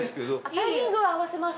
タイミングは合わせます。